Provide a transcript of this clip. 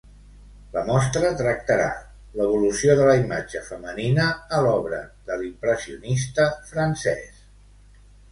La mostra tractarà l'evolució de la imatge femenina a l'obra de l'impressionista francès.